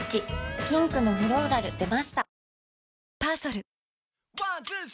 ピンクのフローラル出ました